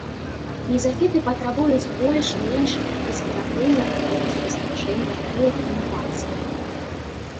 Мезафіты патрабуюць больш-менш бесперапыннага водазабеспячэння ў перыяд вегетацыі.